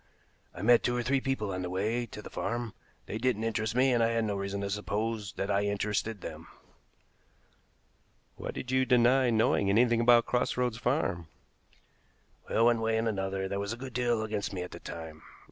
I met two or three people on the way to the farm. They didn't interest me, and I had no reason to suppose that I interested them." "Why did you deny knowing anything about Cross Roads Farm?" "Well, one way and another there was a good deal against me at the time.